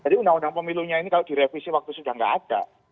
jadi undang undang pemilunya ini kalau direvisi waktu sudah nggak ada